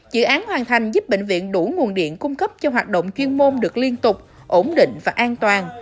dự án hoàn thành giúp bệnh viện đủ nguồn điện cung cấp cho hoạt động chuyên môn được liên tục ổn định và an toàn